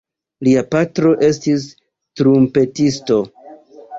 Lia patro estis trumpetisto.